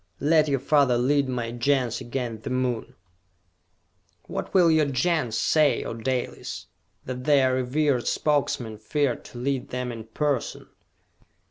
Let your father lead my Gens against the Moon!" "What will your Gens say, O Dalis? That their revered Spokesman feared to lead them in person?"